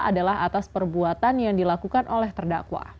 adalah atas perbuatan yang dilakukan oleh terdakwa